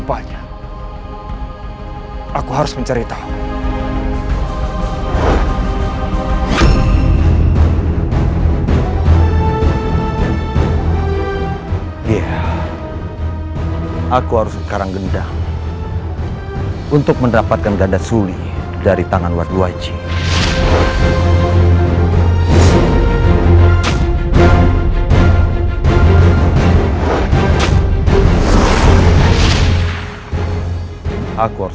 jangan lupa like share dan subscribe channel ini untuk dapat info terbaru